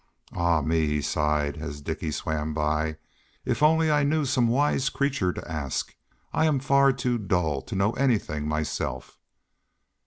"Ah me," he sighed as Dicky swam by, "if only I knew some wise creature to ask! I am far too dull to know anything myself."